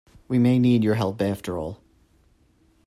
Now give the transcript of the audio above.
We may need your help after all.